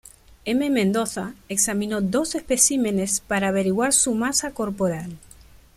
M. Mendoza examinó dos especímenes para averiguar su masa corporal.